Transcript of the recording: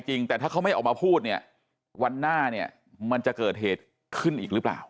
จริงแต่ถ้าเขาไม่ออกมาพูดเนี่ยวันหน้าเนี่ยมันจะเกิดเหตุขึ้นอีกหรือเปล่า